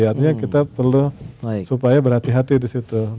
artinya kita perlu supaya berhati hati disitu